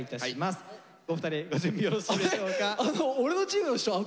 お二人ご準備よろしいでしょうか？